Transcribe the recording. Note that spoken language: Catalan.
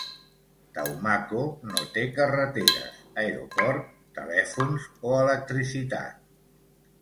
Taumako no té carreteres, aeroport, telèfons o electricitat.